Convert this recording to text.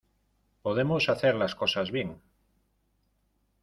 podemos hacer las cosas bien.